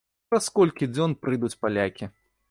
Праз колькі дзён прыйдуць палякі.